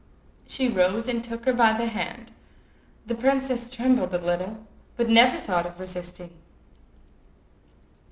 She rose and took her by the hand. The princess trembled a little, but never thought of resisting.